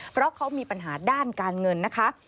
เพราะเขามีปัญหาด้านการเงินนะคะ